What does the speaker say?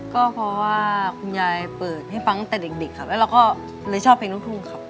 ก็เพราะว่าคุณยายเปิดให้ฟังตั้งแต่เด็กครับแล้วเราก็เลยชอบเพลงลูกทุ่งครับ